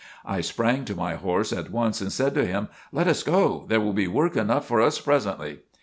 I sprang to my horse at once and said to him: "Let us go! There will be work enough for us presently!"